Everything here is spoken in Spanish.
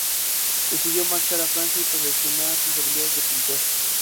Decidió marchar a Francia y perfeccionar sus habilidades de pintor.